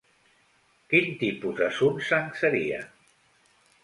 Quin tipus de Sunsang seria?